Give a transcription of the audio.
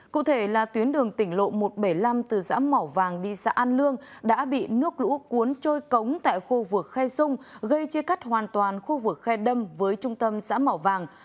cụ thể là tuyến đường tỉnh lộ một trăm bảy mươi năm từ xã mỏ vàng đi xã an lương đã bị nước lũ cuốn trôi cống tại khu vực khe sung gây chia cắt hoàn toàn khu vực khe đâm với trung tâm xã mỏ vàng